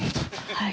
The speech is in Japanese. はい。